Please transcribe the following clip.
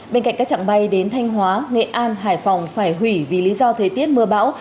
bên cạnh các trạng bay đến thanh hóa nghệ an hải phòng phải hủy vì lý do thời tiết mưa bão